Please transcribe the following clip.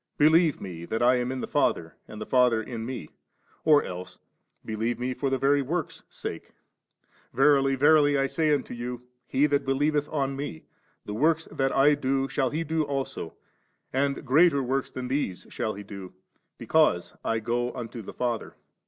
Believe Me that I am in the Father and the Father in Me, or else, bdieve Me for the very works' sake. Verily, verily, I say unto you, he that believeth on Me, the works that I do shall he do also, and greater works than these shall he do, because I go unto the Father.